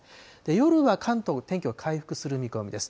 夜は関東、天気は回復する見込みです。